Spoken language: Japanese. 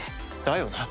だよな。